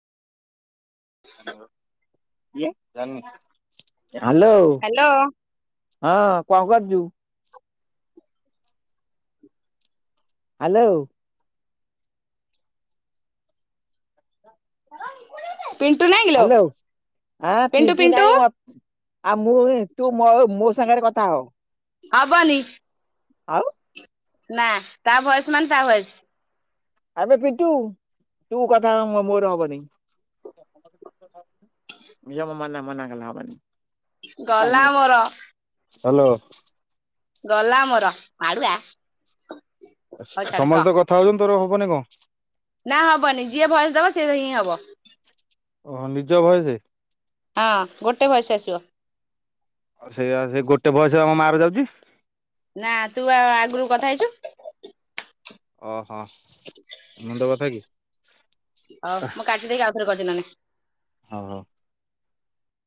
Hello. Hello ହଁ କଣ କରୁଚୁ? ହାଲୋ। ପିଣ୍ଟୁ ନାଇଁ? କିଲୋ ହାଲୋ ଆ ପିଣ୍ଟୁ ନାହିଁ। ଆଉ ମୁଁ ଏବେ ତୁ ମୋ ମୋ ସାଙ୍ଗରେ କଥା ହ। ହବନି। ଆଉ ନା ତା ବୟସ ମାନେ ତା ବୟସ। ଆବେ ପିଣ୍ଟୁ ତୁ କଥା ହ ମୋର ହବନି। [inaudible] [inaudible] ମୋ ନା ହେଲେ ହବନି। ଗଲା ମୋର ହାଲୋ। ଗଲା ମୋର ମାଡୁଆ। ହଉ ଛାଡ ସମସ୍ତେ କହ ତ କଥା ହଉଚନ୍ତି। ତୋର ହବନି କଣ? ନା ହବନି ଯିଏ ଭୟସ ଦବ ସିଏ ହିଁ ହବ। ଓହୋ ନିଜ ଭାଇ ସେ। ହଁ ଗୋଟେ ଭୟସ ଆସିବ। ଆଉ ସେଇଆ ସେ ଗୋଟେ ଭୟସ ରେ ପା ମୋ ମାର୍କ ଯାଉଚି। ନା ତୁ ଆଉ ଆଗରୁ କଥା ହେଇଚୁ। ଓହୋ ଏମ ତ କଥା କି? ହଉ ମୁଁ କାଟି ଦେଇକି ଆଉଥରେ କରୁଚି ନହେଲେ। ହଉ ହଉ।